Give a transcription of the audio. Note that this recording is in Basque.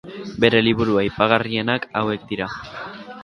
Bere liburu aipagarrienak hauek dira.